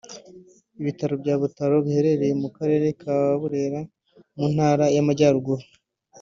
Ibitaro bya Butaro biherereye mu karere ka Burera mu Ntara y’Amajyaruguru